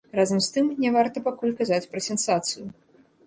Разам з тым, не варта пакуль казаць пра сенсацыю.